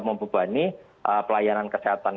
membebani pelayanan kesehatan